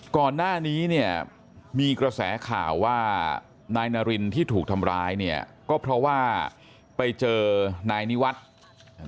ก่อนหน้านี้เนี่ยมีกระแสข่าวว่านายนารินที่ถูกทำร้ายเนี่ยก็เพราะว่าไปเจอนายนิวัฒน์